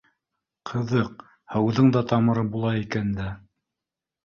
— Ҡыҙыҡ, һыуҙың да тамыры була икән дә